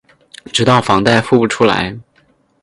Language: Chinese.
直到房贷付不出来